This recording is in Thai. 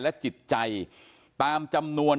และจิตใจตามจำนวน